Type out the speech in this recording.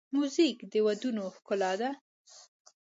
موزیک د ودونو ښکلا ده.